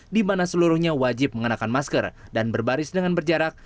di mana seluruhnya wajib mengenakan masker dan berbaris dengan berjarak